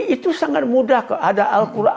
itu sangat mudah ada al quran